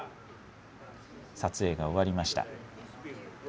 撮影が終わりました。